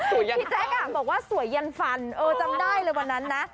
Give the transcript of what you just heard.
พี่แจ๊คบอกว่าสวยยันฟันเออจำได้เลยวันนั้นนะ